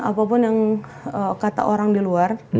apapun yang kata orang di luar